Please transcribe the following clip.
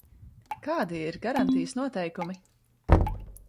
Kādi ir garantijas noteikumi?